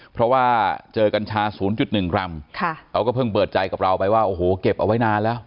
เพราะว่าเจอกัญชา๐๑กรัมเขาก็เพิ่งเปิดใจกับเราไปว่าโอ้โหเก็บเอาไว้นานแล้ว